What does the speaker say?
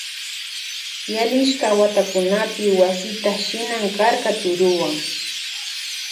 Yalishka watakunapi wasita shinan karka turuwan.